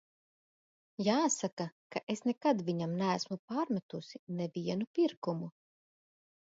Jāsaka, ka es nekad viņam neesmu pārmetusi nevienu pirkumu.